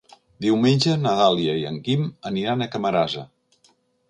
Diumenge na Dàlia i en Guim aniran a Camarasa.